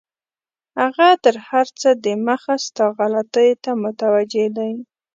هغه تر هر څه دمخه ستا غلطیو ته متوجه دی.